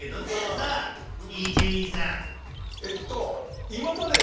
さあ伊集院さん。